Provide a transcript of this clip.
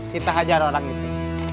kita ajar orang itu